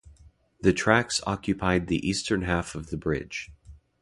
The tracks occupied the eastern half of the bridge.